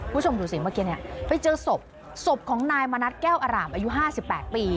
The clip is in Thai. คุณผู้ชมดูสิเมื่อกี้เนี่ยไปเจอศพศพของนายมณัฐแก้วอร่ามอายุ๕๘ปี